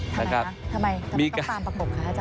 ทำไมทำไมต้องตามประกบคะฮะจ๊ะ